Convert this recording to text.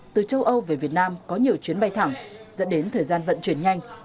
từ châu âu về việt nam có nhiều chuyến bay thẳng dẫn đến thời gian vận chuyển nhanh